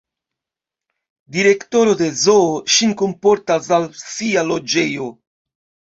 Direktoro de zoo ŝin kunportas al sia loĝejo.